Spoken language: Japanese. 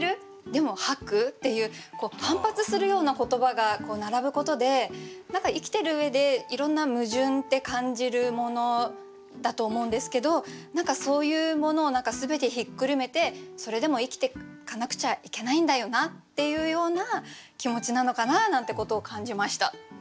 でも「吐く」？っていう反発するような言葉が並ぶことで何か生きてる上でいろんな矛盾って感じるものだと思うんですけど何かそういうものを全てひっくるめてそれでも生きてかなくちゃいけないんだよなっていうような気持ちなのかななんてことを感じました。